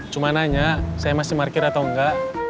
cuma nanya saya masih markir atau enggak